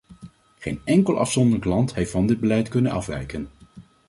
Geen enkel afzonderlijk land heeft van dit beleid kunnen afwijken.